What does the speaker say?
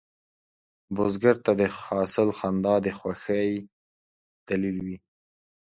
بزګر ته د حاصل خندا د خوښې دلیل وي